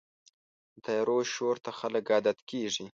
د طیارو شور ته خلک عادت کېږي.